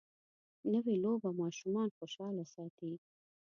نوې لوبه ماشومان خوشحاله ساتي